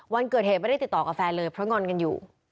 วันเกิดเหตุไม่ได้ติดต่อกับแฟนเลยเพราะงอนกันอยู่